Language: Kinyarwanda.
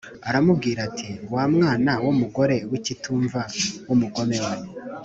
aramubwira ati “Wa mwana w’umugore w’ikitumva w’umugome we”